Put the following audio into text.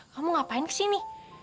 kamu ngapain kesini